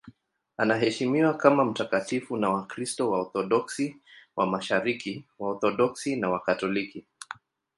Anaheshimiwa kama mtakatifu na Wakristo Waorthodoksi wa Mashariki, Waorthodoksi na Wakatoliki.